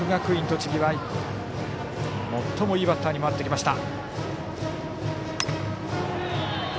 栃木は最もいいバッターに回ってきました。